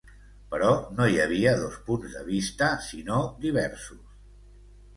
Però no hi havia dos punts de vista sinó diversos.